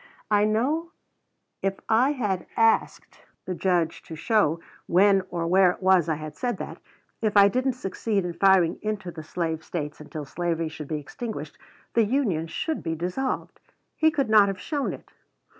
I know if I had asked the Judge to show when or where it was I had said that, if I didn't succeed in firing into the Slave States until slavery should be extinguished, the Union should be dissolved, he could not have shown it.